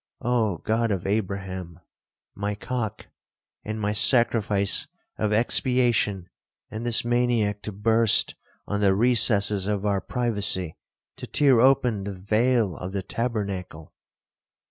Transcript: Oh God of Abraham, my cock, and my sacrifice of expiation, and this maniac to burst on the recesses of our privacy, to tear open the veil of the tabernacle!'